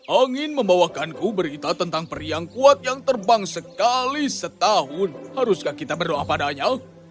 angin membawakanku berita tentang peri yang kuat yang terbang sekali setahun haruskah kita berdoa padanya